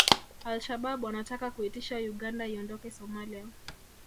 Al Shabab wanataka kuitisha Uganda iondoke Somalia